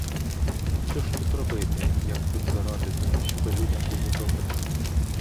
Що ж тут робити, як тут зарадити, щоби людям було добре?